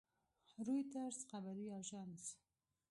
رویټرز خبري اژانس